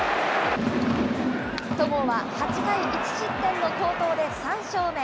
戸郷は８回１失点の好投で３勝目。